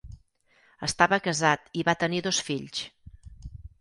Estava casat i va tenir dos fills.